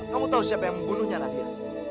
kamu tahu siapa yang membunuhnya nadia